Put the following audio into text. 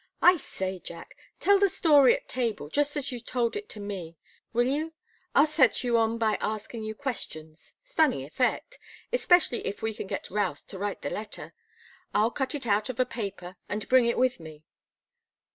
"I say, Jack tell the story at table, just as you've told it to me. Will you? I'll set you on by asking you questions. Stunning effect especially if we can get Routh to write the letter. I'll cut it out of a paper and bring it with me."